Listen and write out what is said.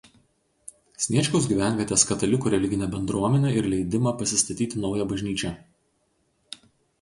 Sniečkaus gyvenvietės katalikų religinę bendruomenę ir leidimą pasistatyti naują bažnyčią.